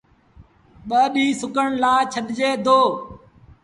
ٻآ ڏيٚݩهݩ سُڪڻ لآ ڇڏجي دو۔